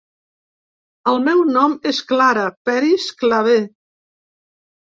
El meu nom és Clara Peris Clavé.